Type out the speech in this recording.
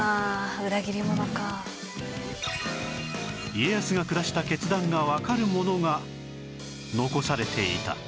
家康が下した決断がわかるものが残されていた